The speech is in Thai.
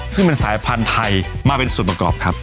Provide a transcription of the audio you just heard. ซึ่งเป็นสายพันธุ์ไทยมาเป็นส่วนประกอบครับ